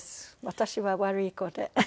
私は悪い子で。